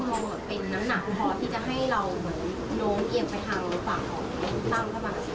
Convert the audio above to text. เพื่อไทย